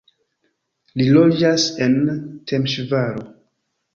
Li loĝas en Temeŝvaro.